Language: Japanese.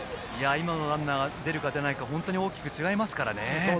今のランナーが出るか出ないかで大きく違いますから。